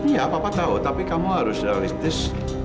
ya papa tahu tapi kamu harus realistis